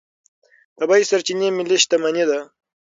طبیعي سرچینې ملي شتمني ده.